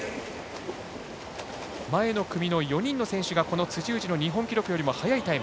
前の組の４人の選手がこの辻内の日本記録よりも速いタイム。